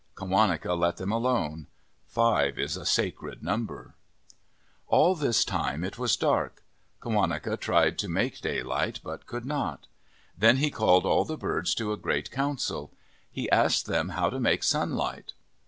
Qawaneca let them alone. Five is a sacred number. All this time it was dark. Qawaneca tried to make daylight, but could not. Then he called all the birds to a great council. He asked them how to make sunlight.